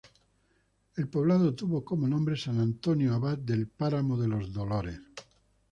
El poblado tuvo como nombre San Antonio Abad del Páramo de los Dolores.